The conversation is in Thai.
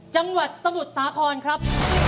จังหวัดสมุทรสาครครับ